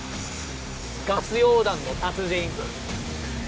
ガス溶断の達人！